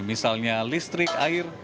misalnya listrik air